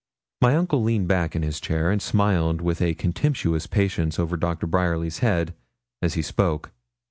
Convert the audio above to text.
My uncle leaned back in his chair, and smiled with a contemptuous patience over Doctor Bryerly's head, as he spoke.